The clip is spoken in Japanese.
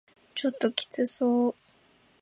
ちょっときつそう